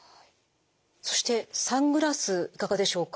そしてサングラスいかがでしょうか。